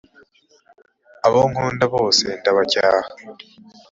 ibh abo nkunda bose ndabacyaha